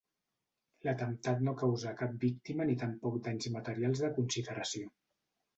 L'atemptat no causà cap víctima ni tampoc danys materials de consideració.